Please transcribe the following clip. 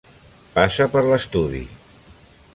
Passa per l'estudi.